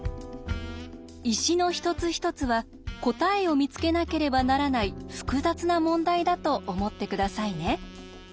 石の一つ一つは答えを見つけなければならない複雑な問題だと思って下さいね。